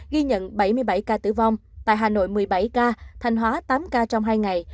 ghi nhận bảy mươi bảy ca tử vong tại hà nội một mươi bảy ca thanh hóa tám ca trong hai ngày